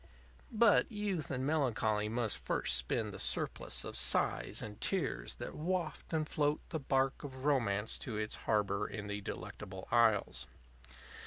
But youth and melancholy must first spend the surplus of sighs and tears that waft and float the barque of romance to its harbor in the delectable isles.